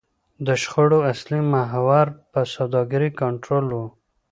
د شخړو اصلي محور پر سوداګرۍ کنټرول و.